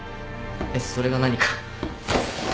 えっそれが何か？